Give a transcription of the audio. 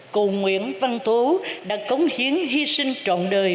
cụ nguyễn văn tố đã cống hiến hy sinh trọn đời